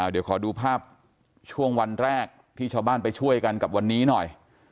เดี๋ยวขอดูภาพช่วงวันแรกที่ชาวบ้านไปช่วยกันกับวันนี้หน่อย